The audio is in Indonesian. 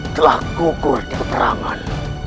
telah kukur di perangan